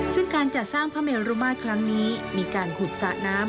ซึ่งการจัดสร้างพระเมรุมาตรครั้งนี้มีการขุดสระน้ำ